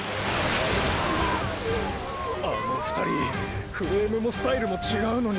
あの２人フレームもスタイルも違うのに。